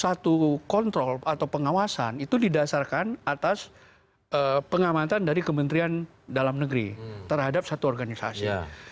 satu kontrol atau pengawasan itu didasarkan atas pengamatan dari kementerian dalam negeri terhadap satu organisasi